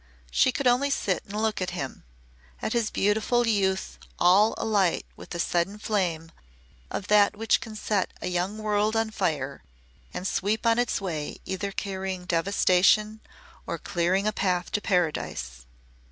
She could only sit and look at him at his beautiful youth all alight with the sudden flame of that which can set a young world on fire and sweep on its way either carrying devastation or clearing a path to Paradise.